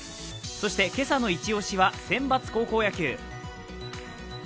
そして、今朝のイチオシは選抜高校野球。